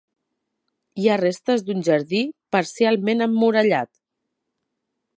Hi ha restes d'un jardí parcialment emmurallat.